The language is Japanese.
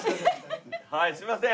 はいすいません。